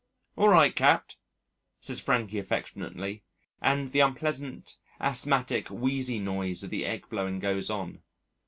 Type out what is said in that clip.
"All right, Capt.," says Frankie affectionately, and the unpleasant asthmatic, wheezy noise of the egg blowing goes on....